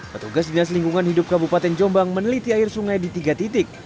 petugas dinas lingkungan hidup kabupaten jombang meneliti air sungai di tiga titik